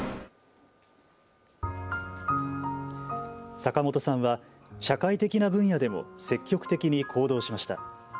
坂本さんは社会的な分野でも積極的に行動しました。